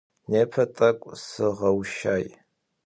Непэ тӏэкӏу сыгъойщай.